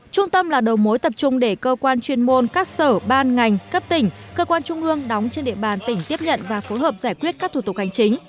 trung tâm là đầu mối tập trung để cơ quan chuyên môn các sở ban ngành cấp tỉnh cơ quan trung ương đóng trên địa bàn tỉnh tiếp nhận và phối hợp giải quyết các thủ tục hành chính